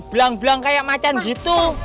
belang belang kayak macan gitu